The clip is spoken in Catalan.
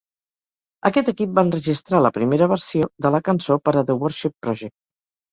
Aquest equip va enregistrar la primera versió de la cançó per a "The Worship Project".